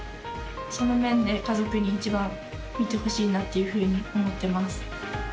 その面で、家族に一番見てほしいなっていうふうに思っています。